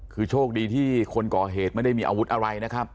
คือโชคดีที่คนก่อเหตุไม่ได้มีอาวุธอะไรนะครับ